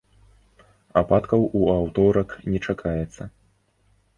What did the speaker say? Ападкаў у аўторак не чакаецца.